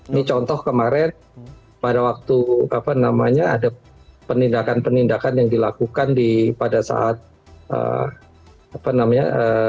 ini contoh kemarin pada waktu ada penindakan penindakan yang dilakukan pada saat apa namanya